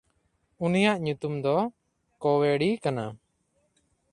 ᱩᱱᱤᱭᱟᱜ ᱧᱩᱛᱩᱢ ᱫᱚ ᱠᱚᱣᱮᱰᱭ ᱠᱟᱱᱟ᱾